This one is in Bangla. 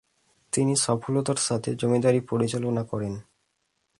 তিনি সফলতার সাথে জমিদারি পরিচালনা করেন।